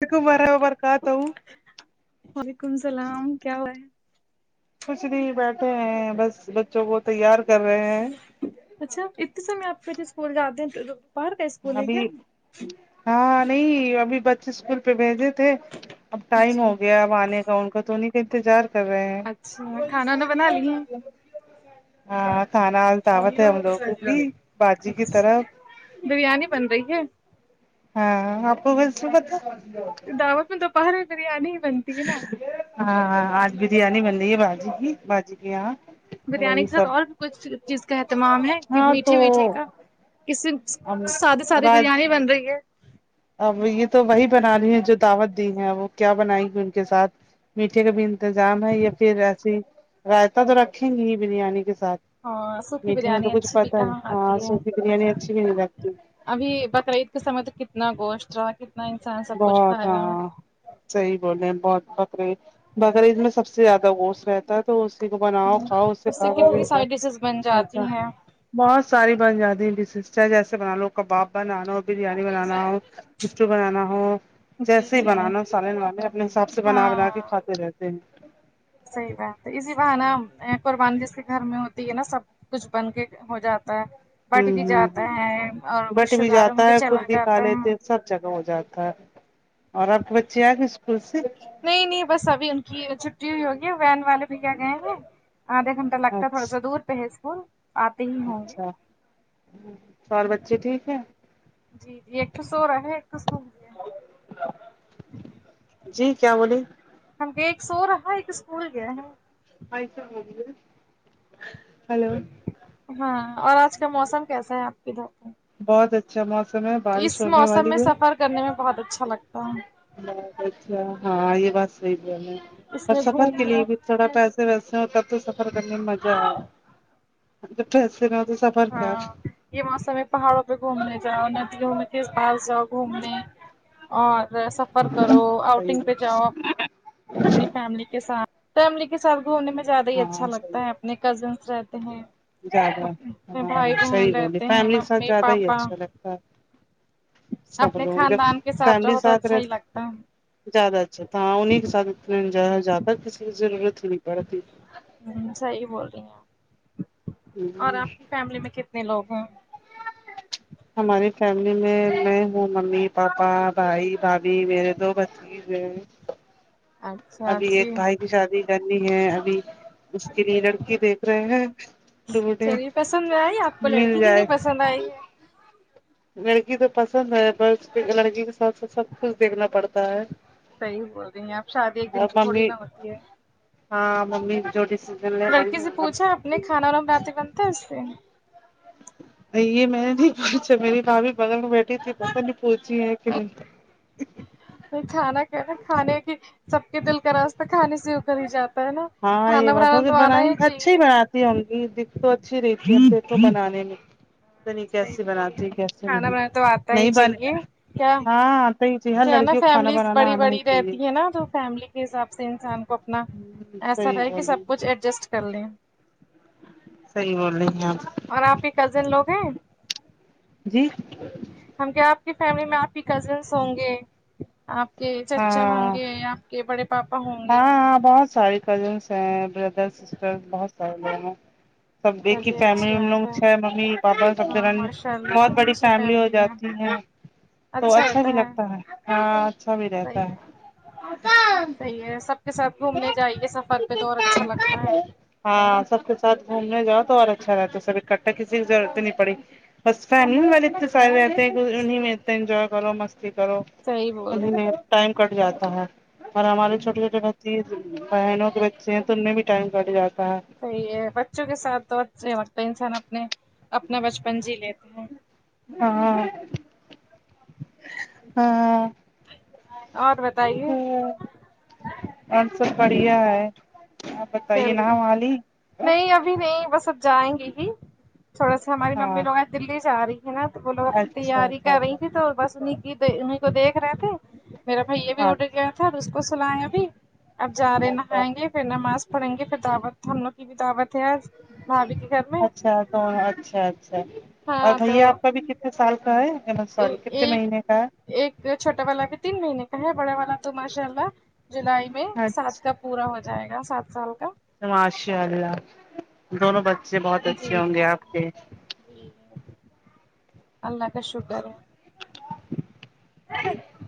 [unintelligible] برابر کا تا ہو وعلیکم السلام کیا ہوا ہے کچھ نہیں بیٹھے ہیں بس بچوں کو تیار کر رہے ہیں اچھا اتنے سمے آپ کے بچے اسکول جاتے ہیں کا اسکول ہے ابھی کیا ہاں نہیں ابھی بچے اسکول پے بھیجے تھے اب ٹائم جی ہو گیا اب آنے کا ان کا تو انہیں کا انتظار کر رہے ہیں اچھا کھانا وانا بنالیے ہاں کھانا آج دعوت ہے ہم لوگوں کی باجی کی اچھا طرف بریانی بن رہی ہے ہاں آپ کو کیسے پتہ اب اپن دو پہر میں بریانی ہی بنتی ہے نا ہاں ہاں آج بریانی بن رہی ہے باجی کی باجی کی یہاں بریانی وہی کے ساتھ سب اور بھی کچھ چیز کا اہتمام ہے کی ہاں تو میٹھے ویٹھے کا کس ہم سادی سادی رات بریانی بن رہی ہے اب یے تو وہی بنا رہی ہیں جو دعوت دی ہے وہ کیا بنائے گی ان کے ساتھ میٹھے کا بی کا انتظام ہے یا پھر ایسی رائتہ تو رکھیں گی ہی بریانی کے ساتھ ہاں سوکھی میٹھے میں بریانی تو کچھ اچھی بھی پتا ہے کہاں ہاں آتی ہے سب کی بریانی اچھی بھی نہیں لگتی ابھی بکرہ عید کے سمے تو کتنا گوشت رہا کتنا انسان سب کچھ بہت کھایا ہاں صحیح بولے بہت بکرے بکرہ عید میں سب سے زیادہ گوشت رہتا ہے تو اسی کو بناؤ کھاؤ اس سے کتنی ساری ڈشز بن [unintelligible] جاتی اچھا ہیں بہت ساری بن جاتی ہیں ڈیشیس چاہے جیسے بنا لو کباب بنا لو بریانی بنانا ہو مسٹو بنانا ہو جی جیسے ہی جی بنانا سالن والن اپنے حساب سے بنا ہاں بنا کے کھاتے رہتے ہیں صحیح بات ہے اسی بہانہ قربانی جس کے گھر میں ہوتی ہے نا سب کچھ بن کے ہو جاتا ہے بٹ بھی آمہم جاتا ہے اور بٹ رشتے بھی داروں جاتا میں ہے خود چلا بھی کھا جاتا ہے لیتے سب جگہ ہو جاتا ہے اور آپ کے بچے آئے گے اسکول سے نہیں نہیں بس ابھی ان کی چھٹی ہوئی ہوگی وین والے بھی کیا گئے ہیں آدھے گھنٹہ ٹہ لگتا تھوڑا سا اچھا دور پے ہے سکول اچھا اور بچے ٹھیک ہیں جی جی ایک تو سو رہا ایک تو اسکول گیا ہے جی کیا بولیے ہم کہے ایک سو رہا ایک اسکول گیا ہے ہیلو ہاں اور آج کا موسم کیسا ہے آپ کے ادھر پہ بہت اچھا موسم ہے بارش اس ہونے موسم والی میں ہے سفر کرنے میں بہت اچھا لگتا ہے اچھا ہاں یہ بات صحیح ہے ہے اس اور میں سفر کے گھومنا لیے بھی تھوڑا پیسے ویسے ہو تب تو سفر کرنے میں مزہ آئے پ [unintelligible] سفر کا یے موسم ہے پہاڑوں پے گھومنے جاؤ ندیوں میں کے پاس جاؤ گھومنے اور سفر کرو صحیح آؤٹنگ ہے پے جاؤ اپنی فیملی کے ساتھ فیملی کے ساتھ گھومنے میں زیادہ ہی اچھا ہاں صحیح لگتا ہے اپنے کزنس رہتے ہیں زیادہ اپنے بھائی ہاں صحیح بہن بولے رہتے ہیں فیملی کے ساتھ ممی زیادہ ہی پاپا اچھا لگتا ہے سب اپنے لوگ جب خاندان کے فیملی رہو تو ساتھ اچھا ہی رہتے لگتا زیادہ اچھا تھا ہاں انہیں کے ساتھ اتنا زیادہ کسی کی ضرورت ہی نہیں پڑتی ہ صحیح بول رہی ہیں اپ اور آپ کی فیملی میں کتنے لوگ ہیں ہ ہماری فیملی میں میں ہوں ممی پاپا بھائی بھابھی میرے دو بچے تیجے اچھا ابھی ایک اچھی بھائی کی شادی کرنی ہے ابھی اس کے لیے لڑکی دیکھ رہے ہیں ڈھونڈے چلیے پسند میں آئی آپ کو مل لڑکی کنی جائے پسند آئی ہے لڑکی تو پسند ہے ب لڑکی کے ساتھ ساتھ سب کچھ دیکھنا پڑتا ہے صحیح بول رہی ہیں اپ شادی ایک دن اور تو تھوڑی ممی نہ ہوتی ہے ہاں ممی جوٹیس لڑکی سے پوچھا اپ نے کھانا وا بنات بنتا ہے اس سے یہ میں نے نہیں پوچھا میری بھابھی بغل میں بیٹھی تھی وہ پوچھی ہے کہ کھانا کہ نا کھانے کی سب کے دل کا راستتاہ کھانے سے اکر ہی جاتا ہے نا ہاں یہ کھانا بات بنانا ہوگ تو آنا بنا اچھا ہی چاہیے بناتا ہ گی دکھ تو اچھی رہتی ہے دھ کو بنانے میں دنی صحیح کیسے بات ہے بناتی کیسے کھانا نہیں بنانا تو آتا ہی نہیں بنے چاہیے کیا ہاں ہی چاہیے ہر کیا ہے نا لڑکی کو کھانا فیملیز بنانا بڑی آنا ہی بڑی چاہیے رہتی ہے نا تو فیملی کے حساب سے انسان کو ہ اپناا سر صحیح ہے بول کہ رہی سب کچھ ایڈجسٹ کر لیں صحیح بول رہی ہیں آپ اور آپ کے کزن لوگ ہیں جی ہم کیا آپ کی فیملی میں آپ کی کزنس ہوں گے آپ کے چچا ہوں ہاں گے آپ کے بڑے پاپا ہوں گے ہاں ہاں بہت ساری کزنس ہیں بردر سسٹر بہت سارے لوگ ہیں سب دیکھی چلیے اچھی فیملی ہم بات لوگھ ہے ممی پاپا سب د ہاں ماشاء بہت اللہ بڑی اچھی فیملی ہو ہے جاتی ج تو اچھا بھی لگتا ہے ہاں اچھا بھی صحیح رہتا ہے ہے سب کے ساتھ گھومنے جائیے سفر پہ تو اور اچھا لگتا ہے ہاں سب کے ساتھ گھومنے جاؤ تو اور اچھا رہتا ہے سب اکٹھا کسی کی ضرورت ہی نہیں پڑی بس فیملی والے اتنے سارے رہتے ہیں کہ انہیں میںتے ہیں انجوائے کرو مستی کرو صحیح بول رہی ٹائم کٹ جاتا ہے اور ہمارے چھوٹے چھوٹے بچے ز بہنوں کے بچے ہیں تو ان میں بھی ٹائم کٹ جاتا ہے تو یہ بچوں کے ساتھ تو اچھے وقت انسان اپنے اپنا بچپن جی لیتے ہیں ہاں ہاں اور بتائیے اور سب بڑھیا ہے بتایئے نہا چلیے وہا لی نہیں ابھی نہیں بس اب جائیں گے ہی تھوڑا سا ہماری ممی ہاں لوگ ہیں دلی سے آرہی ہے نا تو وہ لوگ اپنی اچھا تیاری اچھا کر رہی تھی اچھا تو بس انہیں کی انہیں کو دیکھ رہے تھے میرا بھیا بھی اٹ گیا اچھا تھا اب اس کو سولانگے ابھی اب جا رہے اچھا نہائیں گے پھر نماز پڑیں گے پھر دعوت ہم لوگ کی بھی دعوت ہے آج بھابھی کے گھر میں اچھا تو اچھا اچھا اور ہاں تو بھیا آپ کا بھی کتنا سال کا ہے صاری کتنے ایک مہینے کا ایک چھوٹا والا بھی تین مہینے کا ہے بڑا والا تو ماشاء اللہ جولائی میں ہے سات اچھا کا پورا ہو جائے گا سات سال کا ماشاء اللہ دونوں بچے بہت جی اچھے جی ہوں گے آپ کے جی اللہ کا شکر ہے نہیںے [unintelligible]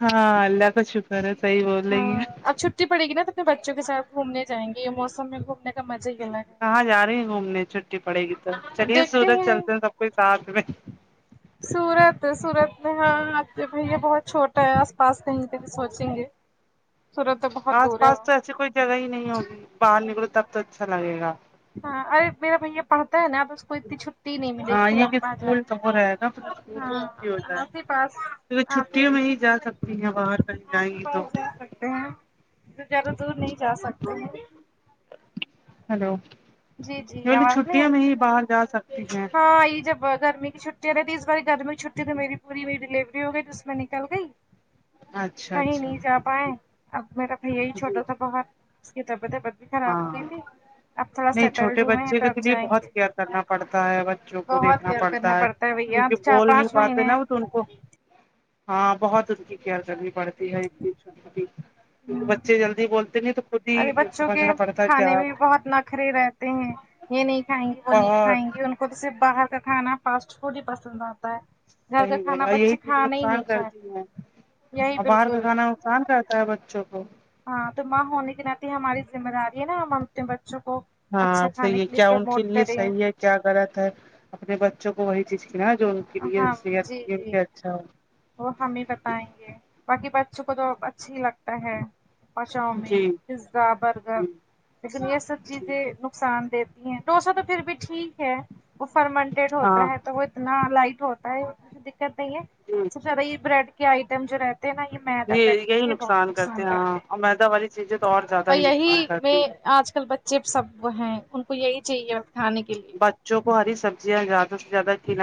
ہاں اللہ کا شکر ہے صحیح بول رہی ہاں ہیں اب چھٹی پڑے گی نا تو اپنے بچوں کے سات گھومنے جائیں گے یہ موسم میں گھومنے کا مزہ ہی الگ ہے کہاں جا رہی ہیں گھومنے چھٹی پڑے گی تو چلیے سورج چلتے ہیں سب کوئی ساتھ میں ہی [inaudible] سورت سورت میں ہاں آپ کے بھیا بہت چھوٹا ہے آس پاس کہیں پہ بھی سوچیں گے سورت کو آس پاس تو ایسی کوئی جگہ ہی نہیں ہوگی باہر نکلو تب تو اچھا لگے گا ہاں ارے میرا بھیا پڑھتا ہے نا آپ اس کو اتنی چھٹی نہیں ملے ہاں کہ یہ لمبا اسکول کا جائے ہو رہے گا پھر اسکول کی ہاں چھٹی ہو جائے آس ہی گی پاس کیونکہ آپ ہی چھٹیوں میں جا سکتی ہیں باہر کہیں آ جائیں ہی گی تو پاس جا سکتے ہیں زیادہ دور نہیں جا سکتے ہلو جی جی آواز نہیں آ چھٹیوں رہی میں ہی کیا؟ باہر جا سکتی ہیں ہاں یہ جب وہ گرمی کی چھٹیں رہی ت اس باری گرمی کی چھٹی تو میری پوریی ڈیلیوری ہو گئی تو اس میں نکل گئی اچھا کہیں اچھا نہیں جا پائے اب میرا بھیا ہی جی چھوٹا تھا بہت اس کی طبعیت بھی خراب ہو گئی ہاں تھی اب تھوڑا نہیں سیٹلڈ چھوٹے ہوئے ہیں بچے تو کے اب لیے جائیں بہت گے کیئر کرنا پڑتا ہے بچوں کو بہت دیکھنا کیئر کرنا پڑتا ہے بھیا کیونکہ چار بول نہیں پانچ مہینے پاتے نا ہیں ان کو ہاں بہت ان کی کیئر کرنی پڑتی ہے بھی بچے جلدی بولتے نہیں تو خود ہی سمجھنا پڑتا کیک ہے کیا کھانے بھی بہت نخرے رہتے ہیں یہ نہیں کھائیں گے وہ نہیں بہت کھائیں گے ان خود سے باہر کا کھانا فاسٹ فوڈ ہی پسند آتا ہے گھر کا سہی کھانا بولے بچے یہی چیز کھانا ہی نقصان نہیں چاہتے کرتی ہے یہی اور باہر کا بالکل کھانا نقصان رہتا ہے بچوں کو ہاں تو ماں ہونے کے ناتے ہماری ذمہ داری ہے نا ہم اپنے بچوں کو ہاں اچھا کھانے صحیح کے لیے کیا ان کے پرموٹ لیے کریں صحیح ہے کیا غلط ہے اپنے بچوں کو وہی چیز کی نا جو ان کے لیے ہاں صحت کے جی لیے ان جی کے لئے اچھا ہو وہ ہم ہی بتائیں گے باقی بچوں کو تو اچھی ہی لگتا ہے پاچاؤمین جی پیزا برگر جی لیکن یہ سب چیزیں نقصان دیتی ہیں ڈوسا تو پھر بھی ٹھیک ہے وہ فرمنٹیڈ ہاں ہوتا ہے تو وہ اتنا لائٹ ہوتا ہےکچھ دقت نہیں ہے جی اچھاچھا یہ بریڈ آئٹم جو رہتے ہیں نا یہ مئی تو یہ کہتی یہی تھی بہت نقصان کرتے ہاں ہیں اور میدا والی چیزیں تو زیادہ اور ہی نقصان یہی کرتی میں ہیں آج کل بچھ چپس اب وہ ہیں ان کو یہی چاہیے کھانے کے لیے بچوں کو ہری سبزیاں زیاد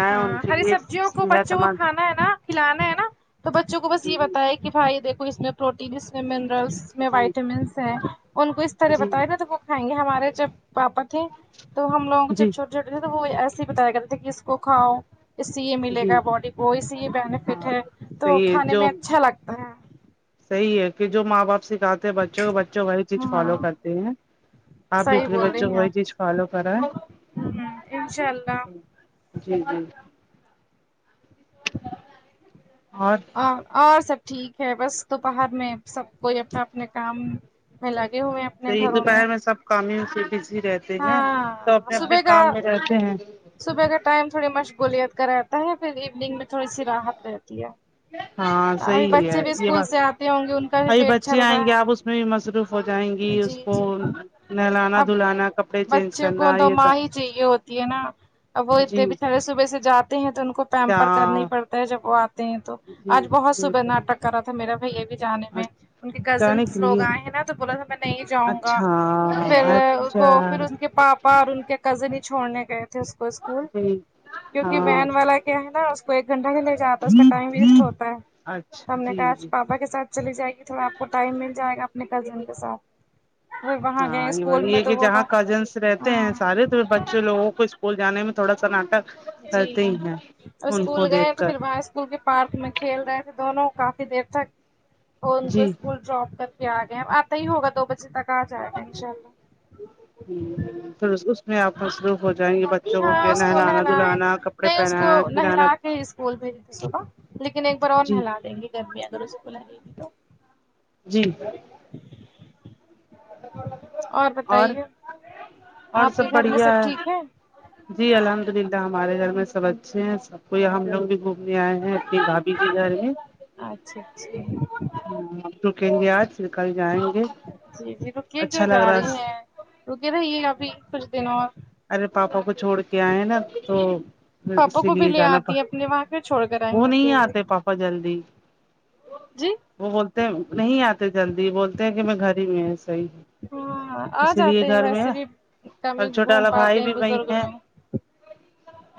ہاں ہری سبزیوں کو صحت بچوں کو مند کھانا ہے نا کھلانا ہے نا تو بچوں کو بس یہ بتا ہے کہ بھائی دیکھو اس میں پروٹین اس میں منرلس میں جی وائٹامنس ہیں ان کو اس طرح جی جی بتائے نا تو وہ کھائیں گے ہمارے جب پاپا تھے تو ہم لوگ کو جب جی چھوٹے چھوٹے تھے تو وہ ایسے ہی بتایا کرتے تھے کی اس کو کھاؤ اس سے یے ملے جی گا باڈی کو اس سے یے بینیفٹ ہاں ہے تو صحیح ہے کھانے جو میں اچھا لگتا ہے صحیح ہے کہ جو ماں باپ سکھاتے ہیں بچوں کو بچے وہی چیز فالو ہاں کرتے ہیں آپ بھی صحیح اپنے بول رہی بچوں کو ہیں وہی آپ چیز فالو کرائے انشاء اللہ جی جی اور اور اور سب ٹھیک ہے بس توپاہر میں سب کوئی اپنا اپنے کام میں لگے ہوئے ہیں اپنے یہ گھروں دوپہر میں سب کام ہی سے بزی رہتے ہیں سب ہاں اپنے اپنے صبح کا کام میں رہتے ہیں صبح کا ٹائم تھوڑی مشغولیت کا رہتا ہے پھر ایوننگ میں تھوڑی سی راحت رہتی ہے ہاں ابھی صحیح بچے ہے بھی یہ اسکول بات سے آتے ہوں گے ان کا بھی ویٹ چل رہا ہے پھر مصروف ہو جائیں گی جی جی اسکول اب بچوں کو کرنا تو یہ ماں ہی سب چاہیے ہوتی ہے نا اب وہ جی اتنے ببچھڑاے صبح سے جاتے ہیں تو ان کو پیمپر کرنا ہی جاں پڑ جب وہ آتے ہیں تو جی آج بہت صبح بالکل ناٹک کر رہا تھا میرا بھائی یے بھجانے میں اچھا ان کے جانے کے کزنس لوگ لیے آئے ہیں نا تو بولا تھا میں نہیں جاؤں گا اچھا پھر وہ پھر اچھا اس کے پاپ پا ان کے کزن ہی چھوڑنے گئے تھے اس کو اسکول جی کیونکی ہاں وین والا کیا ہے نا کو ایک گھنٹہ کے لے جاتا ہے اس کا ٹائم ویسٹ ہوتا ہے اچھا ہم نے جی کہاج جی پاپا کے سات چلی جائے گی تھوڑا آپ کو ٹائم مل جائے گا اپنے کزن کے ساتھ وہاں گئے ہاں یے اسکول وہی ہے میں جو کی تو وہ جہا لوگ کزنس رہتے ہیں ہاں سارے تو پھر بچے لگوں کو اسکول جان میں تھوڑا سا نٹک جی اور اسکول گئے دیکھ تو کر پھر باہر اسکول کے پارک میں کھیل رہے تھے دونوں کافی دیر تک اور ان کو جی اسکول ڈراپ کر کے آ گئے ہم آتا ہی ہوگا دو بجے تک آ جائے گا انشاء اللہ ہمم پھر اس اس آپ تو مصروف ہو جائیں گے بچوں کو کے ہاں اس نہلانا نہلائے دھلانا کپڑے نہیں اس کو پہنانا کھلانا نہلا اسکول بھیج تے صبح لیکن ایک بار اور جی نہلا دیں گے گرمی اگر اس کو لگے گی تو جی اور اور آپ کے سب گھر میں بڑھیا ہے ٹھیک جی الحمد للہ ہمارے گھر میں سب اچھے ہیں سب کو یہ ہم لوگ بھی گھومنے آئے ہیں اپنی بھابھی کے گھر میں اچھا اچھا رکیں گے آج پھر کل جائیں گے جی جی رکیے کیوں اچھا جا لگ رہی رہا ہیں رکے رہیے ابھی کچھ دن اور ارے پاپا کو چھوڑ کے آئے نا تو پاپا اسی کو بھی لیے لے جانا پڑ آتی ہے اپنے وہاں پہ چھوڑ کر آئی وہ ہیں نہیں اکیلے آتے پاپا جلدی جی وہ بولتے ہیں نہیں آتے جلدی بولتے ہیں کی میں گھر ہی میں ہی سحیح ہے ہاں آ اسی جاتے لیے ہیں گھر میں ویسے ہے۔ بھی کم اور ہی چھوٹا گھوم والا پاتے بھائی ہیں بھی وہی بزرگ ہے لوگ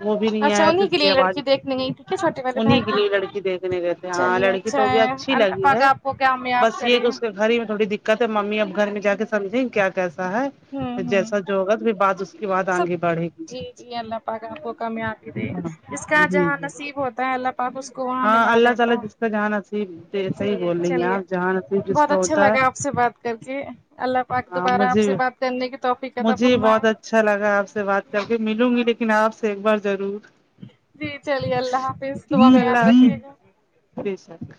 وہ بھی نہیں اچھا آیا تو انہیں کے اس لیے ہم اگئے لڑکی دیکھنے گئی ٹھیک ہے چھوٹے والے انہی بھائی کے لیے لڑکی دیکھنے گئے ہاں چلیے لڑکی اچھا تو بھی ہے اچھی اللہ لگی پاک ہے آپ کو کامیاب بس یے کرے کہ اس کے گھر ہی میں تھوڑی ڈیکت ممی اب گھر میں جا کے سمجھیں کیا کیسا ہے ہوں ہوں جیسا جو ہوگا پھر بات اسکے بعد سب آگے بڑے جی جی اللہ پاک آپ کو کمیابی دے ہاں اس کا جی جہاں جی نصیب ہوتا ہے اللہ آپ اس کو وہاں ہاں ملا اللہ دیتے تعالی جس کا جہاں نصیب صحیح ہے بول رہی ہیں چلیے آپ جہاں نصیب جس بہت کا اچھا ہوتا ہے لگا آپ سے بات کر کے اللہ پاک ہاں دوبارہ آپ مجھے سے بات کرنے کی توفیق عطا فر مجھے بھی بہت اچھا لگا آپ سے بات کر کے ملوں گی لیکن آپ سے ایک بار ضرور جی چلیے اللہ حافظ دعا میں یاد رکھیے گا کے ساتھ